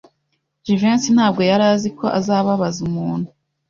Jivency ntabwo yari azi ko azababaza umuntu.